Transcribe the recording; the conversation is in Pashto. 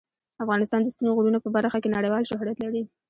افغانستان د ستوني غرونه په برخه کې نړیوال شهرت لري.